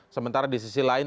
sementara di sisi lain